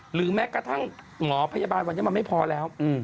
หรือแม้กระทั่งหมอพยาบาลวันนี้มันไม่พอแล้ว